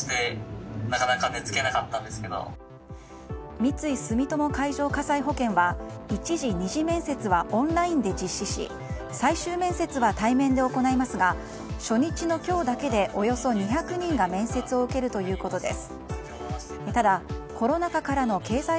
三井住友海上火災保険は１次・２次面接はオンラインで実施し最終面接は対面で行いますが初日の今日だけでおよそ２００人が面接を受けるということです。